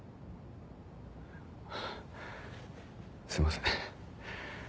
すいません。